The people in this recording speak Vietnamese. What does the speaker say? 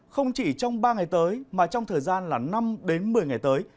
không chỉ trong ba ngày tới mà trong thời gian là năm một mươi ngày tới